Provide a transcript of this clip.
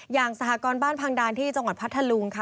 อย่างสหกรณ์บ้านพังดานที่จังหวัดพัทธลุงค่ะ